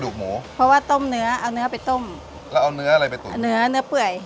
กำลังมาว่าใส่อะไรบ้าง